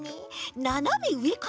ななめうえからもいい。